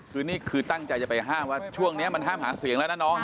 คือนี่คือตั้งใจจะไปห้ามว่าช่วงนี้มันห้ามหาเสียงแล้วนะน้อง